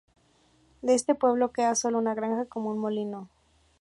De este pueblo queda sólo una granja con un molino.